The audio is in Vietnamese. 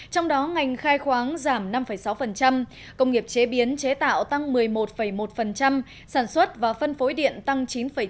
trong đó ngành khai khoáng giảm năm sáu công nghiệp chế biến chế tạo tăng một mươi một một sản xuất và phân phối điện tăng chín tám